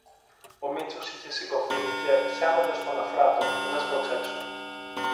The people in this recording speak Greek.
Ο Μήτσος είχε σηκωθεί, και πιάνοντας τον Αφράτο, τον έσπρωξε έξω.